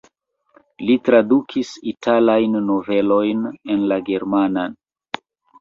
Li tradukis italajn novelojn en la germanan.